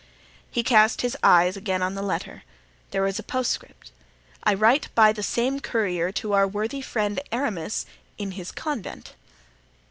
He cast his eyes again on the letter. There was a postscript: "I write by the same courier to our worthy friend Aramis in his convent."